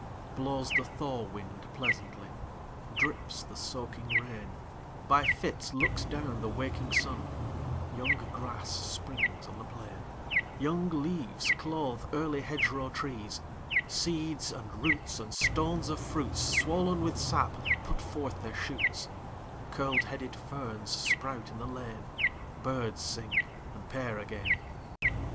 Blows the thaw wind pleasantly, Drips the soaking rain, By fits looks down the waking sun: Young grass springs on the plain; Young leaves clothe early hedgerow trees; Seeds, and roots, and stones of fruits, Swollen with sap, put forth their shoots; Curled headed ferns sprout in the lane; Birds sing and pair again.